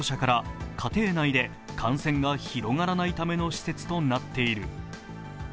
その自宅療養者から、家庭内で感染が広がらないための施設となっている。